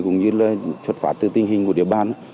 cũng như là trật phạt tư tinh hình của địa bàn